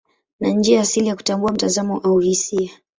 Ni njia asili ya kutambua mtazamo au hisia.